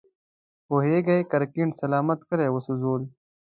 پوهېږې، ګرګين سلامت کلي وسوځول.